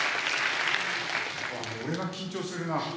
俺が緊張するな。